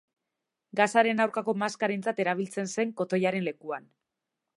Gasaren aurkako maskarentzat erabiltzen zen kotoiaren lekuan.